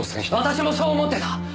私もそう思ってた。